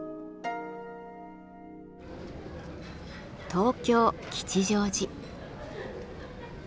東京・吉祥寺。